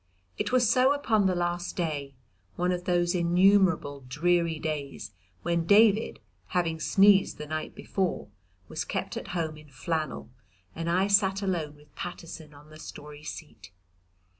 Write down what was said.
It was so upon the last day, one of those innumerable dreary days when David, having sneezed the night before, was kept at home in flannel, and I sat alone with Paterson on the Story seat.